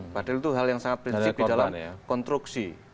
padahal itu hal yang sangat prinsip di dalam konstruksi